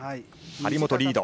張本リード。